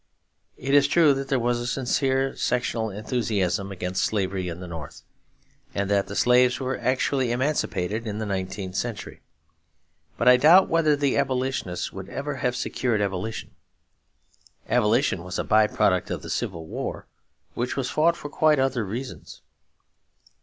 It is true that there was a sincere sectional enthusiasm against slavery in the North; and that the slaves were actually emancipated in the nineteenth century. But I doubt whether the Abolitionists would ever have secured Abolition. Abolition was a by product of the Civil War; which was fought for quite other reasons.